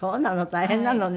大変なのね。